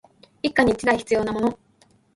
一家に一台必要なもの